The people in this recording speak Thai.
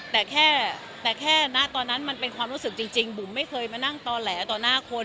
แต่แค่แต่แค่ณตอนนั้นมันเป็นความรู้สึกจริงบุ๋มไม่เคยมานั่งต่อแหลต่อหน้าคน